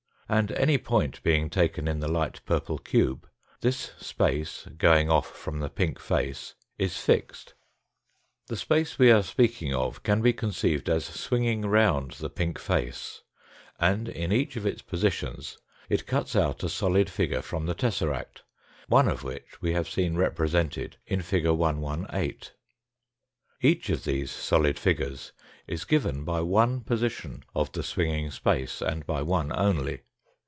And any point being taken in Null b the light purple cube, this space going off from the pink face is fixed. The space we are speaking of can be conceived as swinging round the pink face, and in each of its positions it cuts out a solid figure from the tesseract, one of which we have seen represented in fig. 118. Each of these solid figures is given by one position of the swinging space, and by one only.